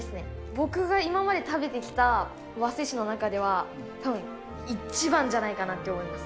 僕が今まで食べてきたわせ種の中では、たぶん一番じゃないかなと思います。